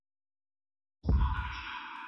ټولنه به بدله شوې وي.